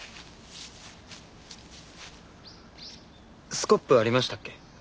スコップありましたっけ？